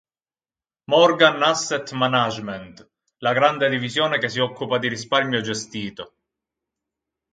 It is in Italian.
Morgan Asset Management", la grande divisione che si occupa di risparmio gestito.